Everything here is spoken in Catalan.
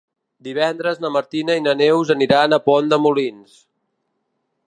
Divendres na Martina i na Neus aniran a Pont de Molins.